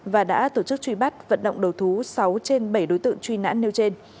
và đã tổ chức truy bắt vận động đầu thú sáu trên bảy đối tượng truy nã nêu trên